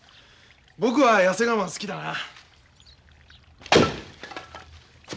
僕は痩せ我慢好きだなあ。